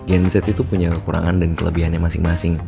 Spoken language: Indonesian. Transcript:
genzet itu punya kekurangan dan kelebihannya masing masing